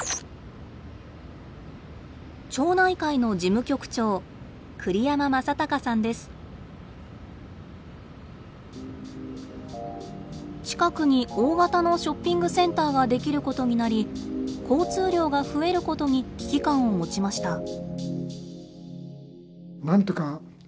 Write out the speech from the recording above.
町内会の事務局長近くに大型のショッピングセンターができることになり交通量が増えることに危機感を持ちました。